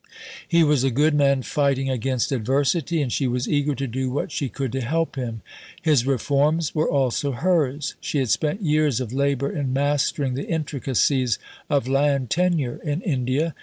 He was a good man fighting against adversity, and she was eager to do what she could to help him. His reforms were also hers. She had spent years of labour in mastering the intricacies of land tenure in India.